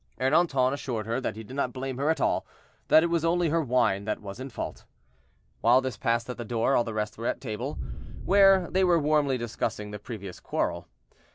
Ernanton assured her that he did not blame her at all—that it was only her wine that was in fault. While this passed at the door, all the rest were at table, where they were warmly discussing the previous quarrel.